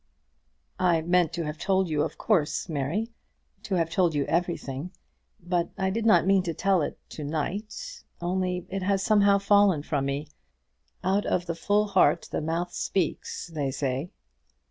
"I meant to have told you, of course, Mary, to have told you everything; but I did not mean to tell it to night; only it has somehow fallen from me. Out of the full heart the mouth speaks, they say."